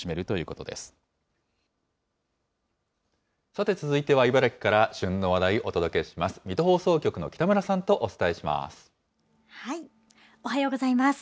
さて続いては、茨城から旬の話題、お届けします。